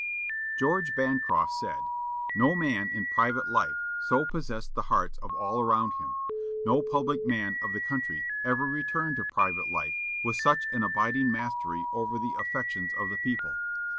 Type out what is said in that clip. George Bancroft said, "No man in private life so possessed the hearts of all around him; no public man of the country ever returned to private life with such an abiding mastery over the affections of the people....